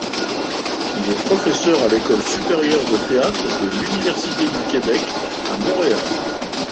Il est professeur à l'École supérieure de théâtre de l'Université du Québec à Montréal.